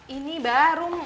ini bah rum